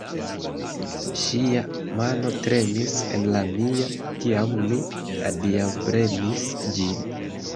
Ŝia mano tremis en la mia, kiam mi adiaŭpremis ĝin!